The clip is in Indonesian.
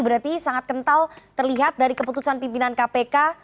berarti sangat kental terlihat dari keputusan pimpinan kpk